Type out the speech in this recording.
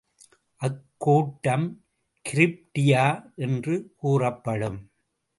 அக்கூட்டம் கிரிப்டியா என்று கூறப்படும்.